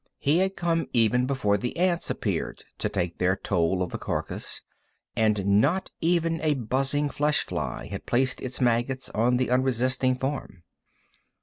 He had come even before the ants appeared to take their toll of the carcass, and not even a buzzing flesh fly had placed its maggots on the unresisting form.